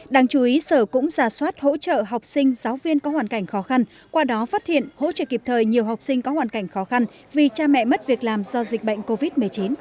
đáng chú ý sở cũng giả soát hỗ trợ học sinh giáo viên có hoàn cảnh khó khăn qua đó phát hiện hỗ trợ kịp thời nhiều học sinh có hoàn cảnh khó khăn vì cha mẹ mất việc làm do dịch bệnh covid một mươi chín